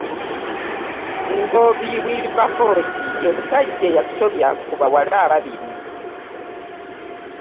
Ngoobi Wilberforce ye musajja eyasobya ku bawala ababiri.